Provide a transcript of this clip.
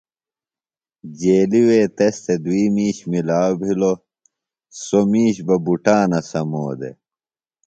جیلیۡ وے تس تھےۡ دُوئی مِیش ملاؤ بِھلوۡ سوۡ مِیش بہ بُٹانہ سمو دےۡ۔